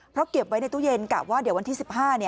เพราะเก็บไว้ในตู้เย็นกะว่าเดี๋ยววันที่๑๕